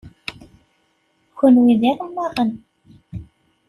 Kenwi d iremmaɣen.